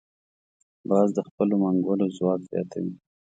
باز د خپلو منګولو ځواک زیاتوي